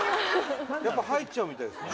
やっぱ入っちゃうみたいですね